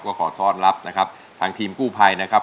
ก็ขอต้อนรับนะครับทางทีมกู้ภัยนะครับ